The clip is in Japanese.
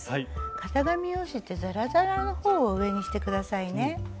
型紙用紙ってザラザラの方を上にして下さいね。